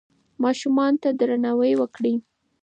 ماشومانو ته درناوی وکړئ.